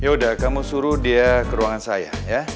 yaudah kamu suruh dia ke ruangan saya ya